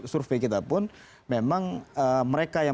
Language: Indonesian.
survei kita pun memang mereka yang